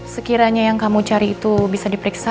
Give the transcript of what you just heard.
sekiranya yang kamu cari itu bisa diperiksa